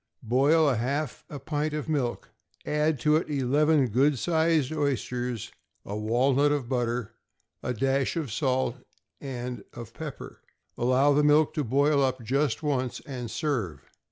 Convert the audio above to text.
= Boil half a pint of milk; add to it eleven good sized oysters, a walnut of butter, a dash of salt and of pepper. Allow the milk to boil up just once, and serve.